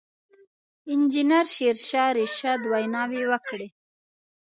انجنیر شېرشاه رشاد ویناوې وکړې.